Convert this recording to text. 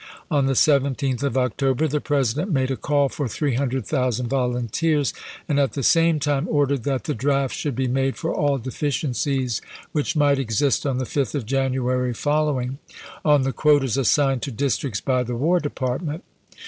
On the 17th of October the President made a call for 300,000 volunteers, and at the same time ordered that the draft should be made for all deficiencies which might exist on the 5th of January following, on the quotas assigned to districts by the War De partment.